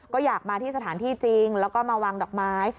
ก็อยากมาที่สถานที่จริงแล้วก็มาวางดอกไม้